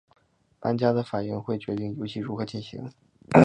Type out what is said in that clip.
玩家的反应会决定游戏如何进行。